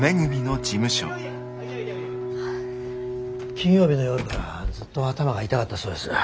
金曜日の夜からずっと頭が痛かったそうです。